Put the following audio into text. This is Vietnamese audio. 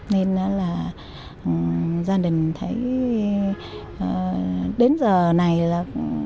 nên là gia đình thấy đến giờ này là